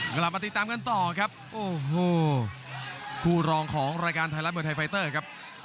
กลับมาติดตามกันต่อครับโอ้โหคู่รองของรายการไทยรัฐมวยไทยไฟเตอร์ครับ